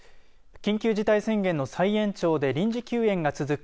緊急事態宣言の再延長で臨時休園が続く